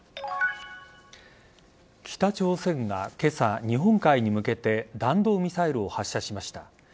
北朝鮮が今朝日本海に向けて弾道ミサイルを発射しました。